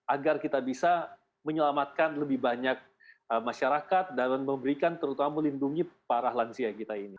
agar kita bisa menyelamatkan lebih banyak masyarakat dan memberikan terutama melindungi para lansia kita ini